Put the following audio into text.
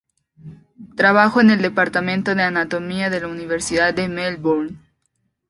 Trabajó en el Departamento de Anatomía de la Universidad de Melbourne.